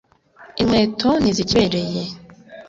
inkweto ntizikibereye.